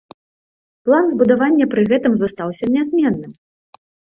План збудавання пры гэтым застаўся нязменным.